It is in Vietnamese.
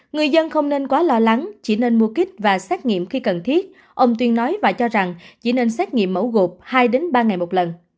người dân không nên quá lo lắng chỉ nên mua kích và xét nghiệm khi cần thiết ông tuyên nói và cho rằng chỉ nên xét nghiệm mẫu gộp hai ba ngày một lần